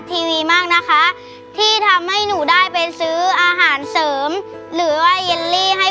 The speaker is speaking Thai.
สวัสดีค่าาาา